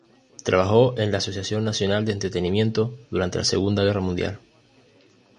Trabajó con la Asociación Nacional de Entretenimiento durante la Segunda Guerra Mundial.